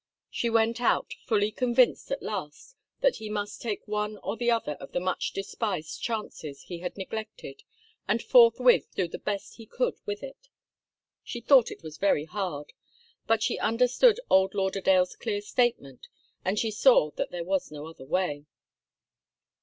She went out fully convinced at last that he must take one or the other of the much despised chances he had neglected and forthwith do the best he could with it. She thought it was very hard, but she understood old Lauderdale's clear statement and she saw that there was no other way.